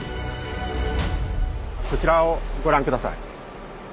こちらをご覧下さい。